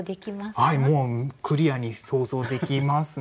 はいもうクリアに想像できますね。